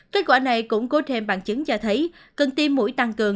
kết quả này cũng có thêm bằng chứng cho thấy cần tiêm mũi tăng cường